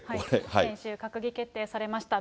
先週閣議決定されました。